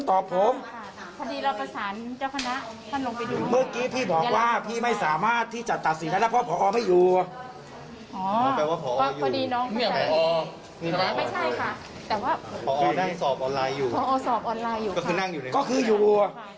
คือนั่งอยู่ในฐานสินาภาวะนี้ก็คืออยู่อ่ะ